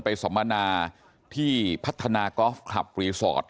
ไปสบรรนะที่พัฒนากอล์ฟคลัฟย์รีสอร์ต